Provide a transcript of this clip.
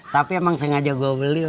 tapi emang sengaja gua beli rw